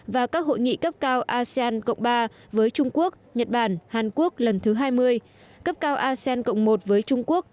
và các hội nghị cấp cao asean cộng ba với trung quốc nhật bản hàn quốc lần thứ hai mươi cấp cao asean cộng một với trung quốc